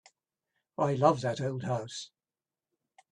I love that old house.